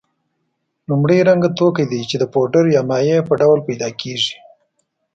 لومړی رنګه توکي دي چې د پوډرو یا مایع په ډول پیدا کیږي.